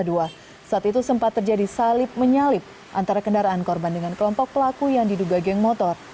saat itu sempat terjadi salib menyalip antara kendaraan korban dengan kelompok pelaku yang diduga geng motor